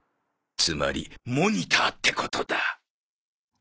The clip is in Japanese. つまりモニターってことだ。